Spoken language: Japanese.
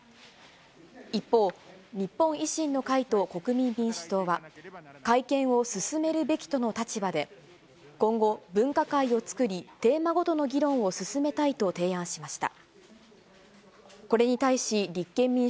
一方、日本維新の会と国民民主党は、改憲を進めるべきとの立場で、今後、分科会を作り、テーマごとの議論を進めたいと提案しました。